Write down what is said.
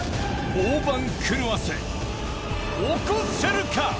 大番狂わせ起こせるか。